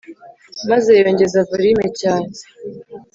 maze yongeza volume cyane.